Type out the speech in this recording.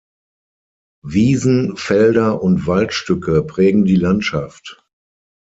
Wiesen, Felder und Waldstücke prägen die Landschaft.